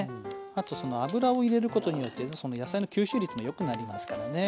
あと油を入れることによって野菜の吸収率もよくなりますからね